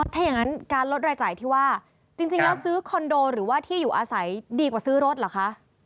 ถ้าอย่างนั้นการลดรายจ่ายที่ว่าจริงแล้วซื้อคอนโดหรือว่าที่อยู่อาศัยดีกว่าซื้อรถเหรอคะ